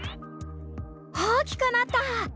大きくなった！